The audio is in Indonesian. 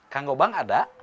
kang gobang ada